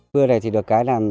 cơ này thì được cái là